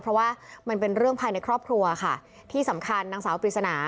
เพราะว่ามันเป็นเรื่องภายในครอบครัวค่ะที่สำคัญนางสาวปริศนา